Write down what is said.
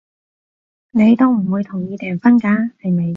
你都唔會同意訂婚㗎，係咪？